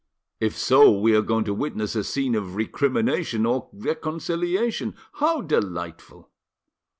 "If so, we are going to witness a scene of recrimination or reconciliation. How delightful!"